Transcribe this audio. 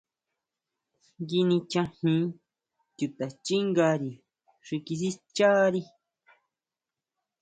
Ngui nichajin chutaxchingári xi kisixchari.